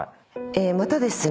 またですね。